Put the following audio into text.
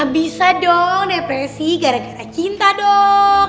bisa dong depresi gara gara cinta dong